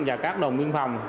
và các đồng biên phòng